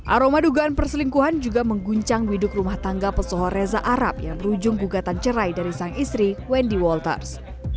aroma dugaan perselingkuhan juga mengguncang biduk rumah tangga pesohor reza arab yang berujung gugatan cerai dari sang istri wendy walters